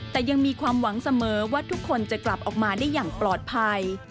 แต่ยังมีความหวังเสมอว่าทุกคนจะกลับออกมาได้อย่างปลอดภัย